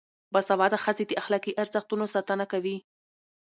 باسواده ښځې د اخلاقي ارزښتونو ساتنه کوي.